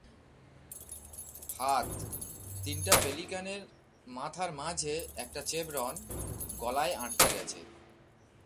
হাতঃ তিনটা পেলিক্যানের মাথার মাঝে একটা চেভরন, গলায় আটকে গেছে।